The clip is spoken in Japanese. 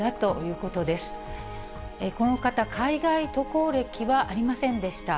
この方、海外渡航歴はありませんでした。